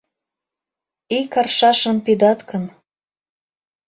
Ик аршашым пидат гын